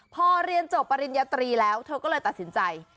พอเรียนจบปริญญาตรีแล้วเธอก็เลยตัดสินใจ